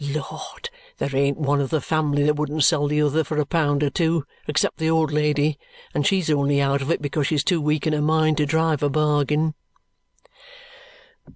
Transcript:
Lord! There ain't one of the family that wouldn't sell the other for a pound or two, except the old lady and she's only out of it because she's too weak in her mind to drive a bargain."